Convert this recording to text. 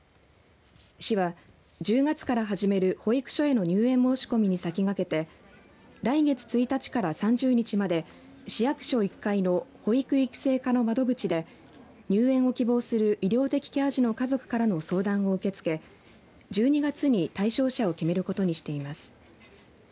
市は、１０月から始める保育所への入園申し込みに先駆けて来月１日から３０日まで市役所１階の保育育成課の窓口で入園を希望する医療的ケア児の家族からの相談を受け付け１２月に対象者を決めることにしています。